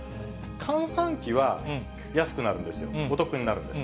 閑散期は安くなるんですよ、お得になるんです。